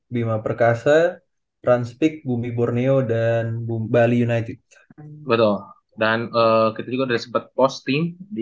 bima perkasa transpik bumi borneo dan bali united betul dan kita juga udah sempet posting di